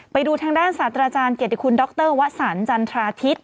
ไปดูทางด้านสัตว์อาจารย์เกียรติคุณด็อกเตอร์วะสันจันทราธิต